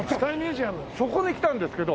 そこに来たんですけど。